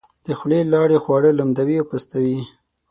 د خولې لاړې خواړه لمدوي او پستوي.